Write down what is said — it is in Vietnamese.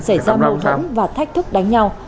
xảy ra mù thống và thách thức đánh nhau